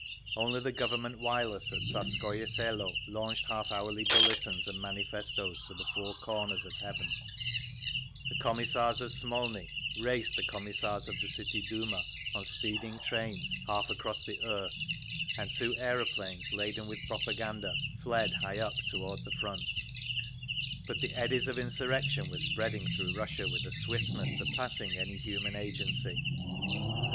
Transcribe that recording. Only the Government wireless at Tsarskoye Selo launched half hourly bulletins and manifestoes to the four corners of heaven; the Commissars of Smolny raced the Commissars of the City Duma on speeding trains half across the earth; and two aeroplanes, laden with propaganda, fled high up toward the Front…. But the eddies of insurrection were spreading through Russia with a swiftness surpassing any human agency.